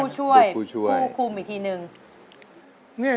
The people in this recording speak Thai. เป็นผู้ช่วยผู้คุมอีกทีหนึ่ง